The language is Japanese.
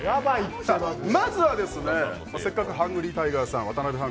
まずはせっかくハングリータイガーさん、渡邊さん